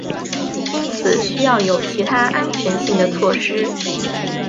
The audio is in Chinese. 因此需要有其他安全性的措施。